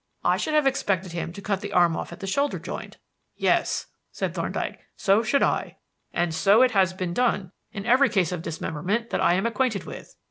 I should have expected him to cut the arm off at the shoulder joint." "Yes," said Thorndyke; "so should I; and so it has been done in every case of dismemberment that I am acquainted with.